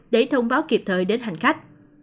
để thông báo kịp thời đến hành khách